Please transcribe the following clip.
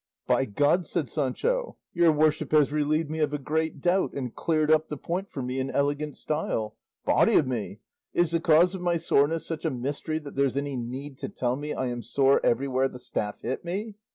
"By God," said Sancho, "your worship has relieved me of a great doubt, and cleared up the point for me in elegant style! Body o' me! is the cause of my soreness such a mystery that there's any need to tell me I am sore everywhere the staff hit me?